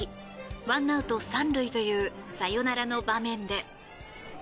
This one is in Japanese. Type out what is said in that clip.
１アウト３塁というサヨナラの場面で。